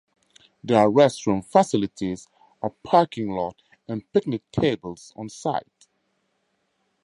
There are restroom facilities, a parking lot, and picnic tables on site.